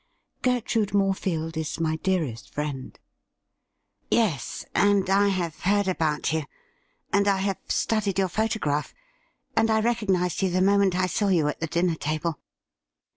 Gertrude Morefield is my dearest friend.' 58 THE RroDLE RING * Yes, and I have heard about you, and I have studied your photograph, and I recognised you the moment I saw you at the dinner table.'